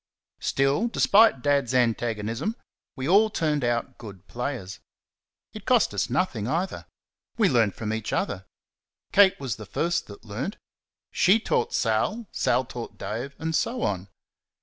Still, despite Dad's antagonism, we all turned out good players. It cost us nothing either. We learnt from each other. Kate was the first that learnt. SHE taught Sal. Sal taught Dave, and so on.